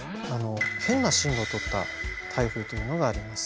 変な進路をとった台風というのがあります。